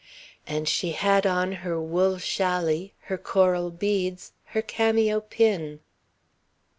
And she had on her wool chally, her coral beads, her cameo pin....